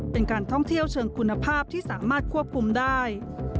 เป็นการท่องเที่ยวเชิงคุณภาพที่สามารถควบคุมได้